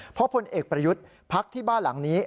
เพราะพลเอกประยุทธ์พักที่บ้านหลังนี้